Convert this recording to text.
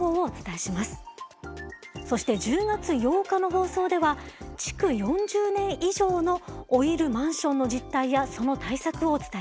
そして１０月８日の放送では築４０年以上の老いるマンションの実態やその対策をお伝えします。